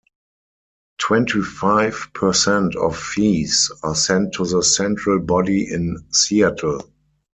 Twenty-five per cent of fees are sent to the central body in Seattle.